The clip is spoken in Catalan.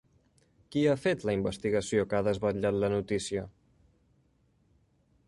Qui ha fet la investigació que ha desvetllat la notícia?